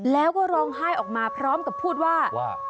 แล้วก็ร้องไห้ออกมาพร้อมกับพูดว่าว่า